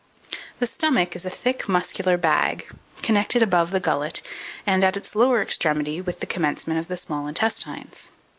The stomach is a thick muscular bag, connected above with the gullet, and, at its lower extremity, with the commencement of the small intestines.